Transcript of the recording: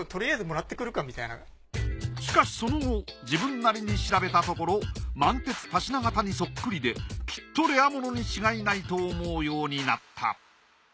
しかしその後自分なりに調べたところ満鉄パシナ型にそっくりできっとレアものに違いないと思うようになった。